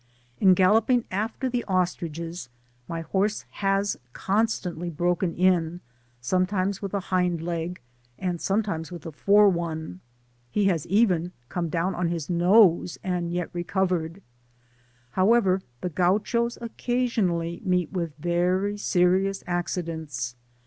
In galloping after the ostriches, my horse has continually broken in, sometimes with a hind leg, and sometimes with a fore one ; he has even come down on his nose, and yet recovered : however, the Gauchos ^Kcasionally meet with very serious acci dents.